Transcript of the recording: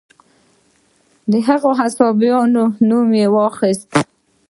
د هغو اصحابو نوم مې واخیست.